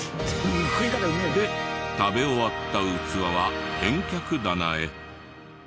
で食べ終わった器は返却棚へ。